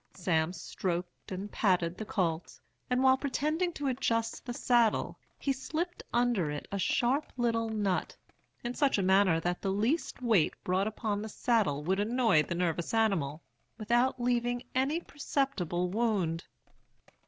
Sam stroked and patted the colt, and while pretending to adjust the saddle, he slipped under it a sharp little nut, in such a manner that the least weight brought upon the saddle would annoy the nervous animal, without leaving any perceptible wound.